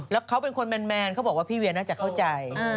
แล้วเขาเป็นคนแมนเขาบอกว่าพี่เวียน่าจะเข้าใจ